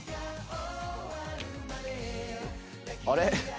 あれ？